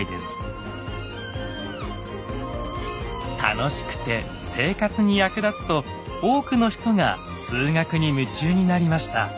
楽しくて生活に役立つと多くの人が数学に夢中になりました。